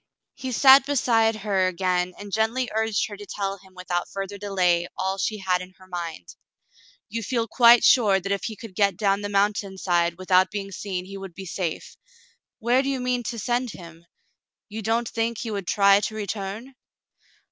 He sat beside her again and gently urged her to tell him without further delay all she had in her mind. "You feel quite sure that if he could get down the mountain side without being seen, he would be safe ; where do you mean to send him ? You don't think he would try to return